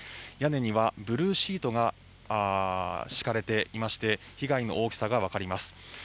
屋根にはブルーシートがしかれていまして被害の大きさが分かります